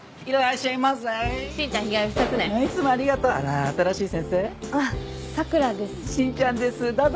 しんちゃんですどうぞ！